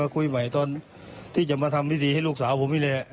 มาคุยใหม่ตอนที่จะมาทำวิธีให้ลูกสาวผมเฉย